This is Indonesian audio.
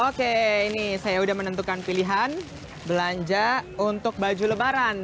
oke ini saya sudah menentukan pilihan belanja untuk baju lebaran